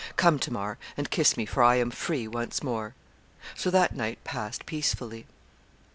Come, Tamar, and kiss me, for I am free once more.' So that night passed peacefully.